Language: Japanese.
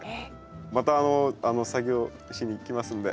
また作業しに来ますんで。